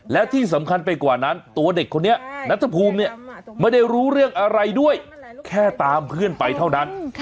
และที่สำคัญไปกว่านั้นตัวเด็กคนนี้นัทภูมิเนี่ยไม่ได้รู้เรื่องอะไรด้วยแค่ตามเพื่อนไปเท่านั้น